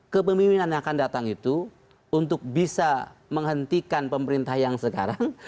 kepemimpinan yang akan datang itu untuk bisa menghentikan pemerintah yang sekarang